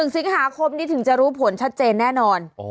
๑สิงหาคมนี้ถึงจะรู้ผลชัดเจนแน่นอน